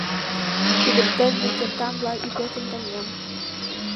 Кудыртен мый кертам лай ӱпетым, таҥем.